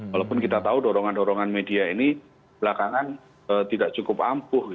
walaupun kita tahu dorongan dorongan media ini belakangan tidak cukup ampuh